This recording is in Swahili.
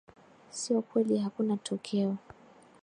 sio kweli hakuna tokeo